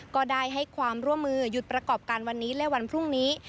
ก็ได้ให้ความร่วมมือหยุดประกอบการวันนี้และวันพรุ่งนี้